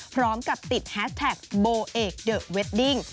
พร้อมกับติดแฮสแท็กโบเอกเดอะเวดดิ้ง